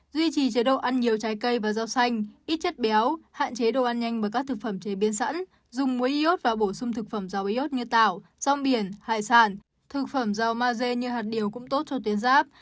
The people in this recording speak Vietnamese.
duy trì chế độ ăn nhiều trái cây và rau xanh ít chất béo hạn chế đồ ăn nhanh bởi các thực phẩm chế biến sẵn dùng muối iốt và bổ sung thực phẩm rau iốt như tảo rong biển hải sản thực phẩm dầu maze như hạt điều cũng tốt cho tuyến giáp